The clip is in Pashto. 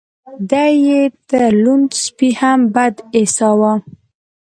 دی يې تر لوند سپي هم بد ايساوه.